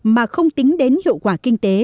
mà không tính đến hiệu quả kinh tế